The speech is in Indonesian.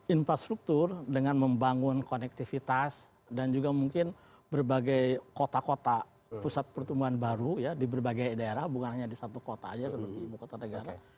infrastruktur dengan membangun konektivitas dan juga mungkin berbagai kota kota pusat pertumbuhan baru ya di berbagai daerah bukan hanya di satu kota saja seperti ibu kota negara